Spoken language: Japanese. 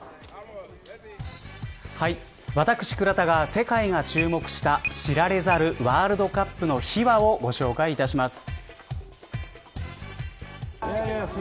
私、倉田が世界が注目した知られざるワールドカップの秘話をご紹介いたします。